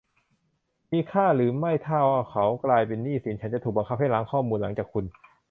มีค่าหรือไม่ถ้าเขากลายเป็นหนี้สินฉันจะถูกบังคับให้ล้างข้อมูลหลังจากคุณ